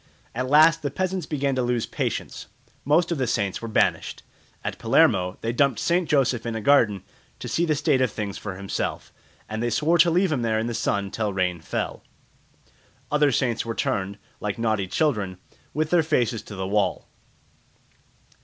At last the peasants began to lose patience. Most of the saints were banished. At Palermo they dumped St. Joseph in a garden to see the state of things for himself, and they swore to leave him there in the sun till rain fell. Other saints were turned, like naughty children, with their faces to the wall.